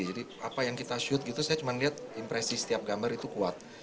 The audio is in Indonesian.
jadi apa yang kita shoot gitu saya cuma lihat impresi setiap gambar itu kuat